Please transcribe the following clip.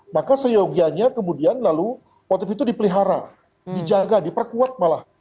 maka seyogianya kemudian lalu motif itu dipelihara dijaga diperkuat malah